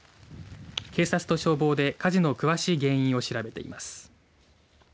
警察と消防で火事の詳しい原因を調べています。